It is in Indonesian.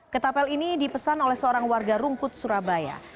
ketapel ini dipesan oleh seorang warga rungkut surabaya